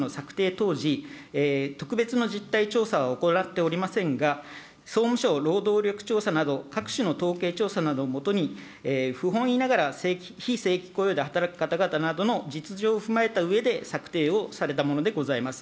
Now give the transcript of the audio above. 当時、特別の実態調査は行っておりませんが、総務省労働力調査など、各種の統計調査などを基に、不本意ながら、非正規雇用で働く方々などの実情を踏まえたうえで策定をされたものでございます。